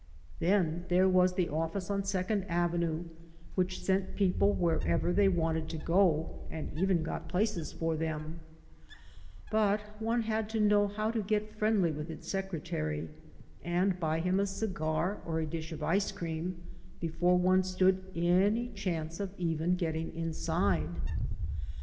Then there was the office on Second Avenue which sent people wherever they wanted to go and even got places for them; but one had to know how to get friendly with its secretary, and buy him a cigar or a dish of ice cream, before one stood any chance of even getting inside.